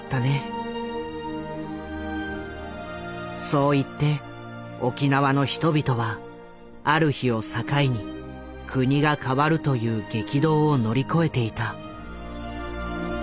そう言って沖縄の人々はある日を境に国が変わるという激動を乗り越えていた。